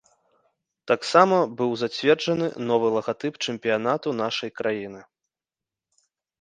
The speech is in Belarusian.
Таксама быў зацверджаны новы лагатып чэмпіянату нашай краіны.